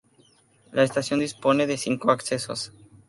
La estación dispone de cincos accesos.